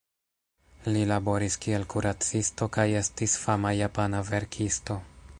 Li laboris kiel kuracisto kaj estis fama japana verkisto.